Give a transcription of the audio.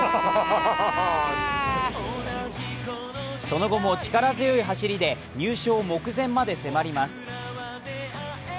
その後も力強い走りで入賞目前まで迫ります。